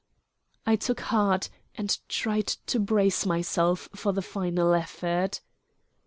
I took heart, and tried to brace myself for the final effort.